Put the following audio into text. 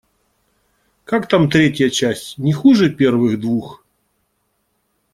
Как там третья часть, не хуже первых двух?